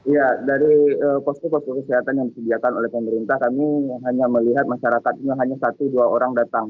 ya dari posko posko kesehatan yang disediakan oleh pemerintah kami hanya melihat masyarakat ini hanya satu dua orang datang